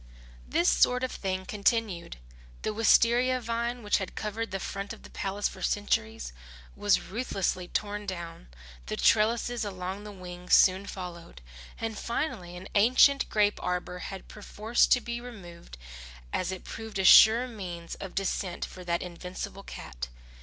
This sort of thing continued. The wistaria vine which had covered the front of the palace for centuries, was ruthlessly torn down, the trellises along the wings soon followed; and finally an ancient grape arbour had perforce to be removed as it proved a sure means of descent for that invincible cat.